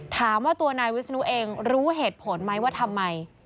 ถามว่าตัวนายวิศนุเองรู้เหตุผลไหมว่าทำไม